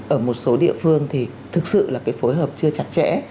ở một số địa phương thì thực sự là cái phối hợp chưa chặt chẽ